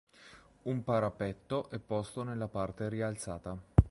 Un parapetto è posto nella parte rialzata.